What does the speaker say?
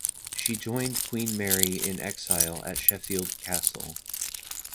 She joined Queen Mary in exile at Sheffield Castle.